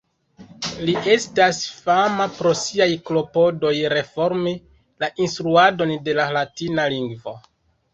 Li estas fama pro siaj klopodoj reformi la instruadon de la latina lingvo.